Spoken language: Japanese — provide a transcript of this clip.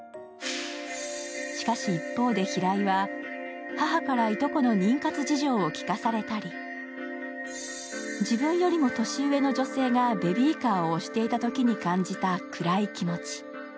しかし一方で平井は、母からいとこの妊活事情を聞かされたり自分よりも年上の女性がベビーカーを押していたときに感じた暗い気持ち。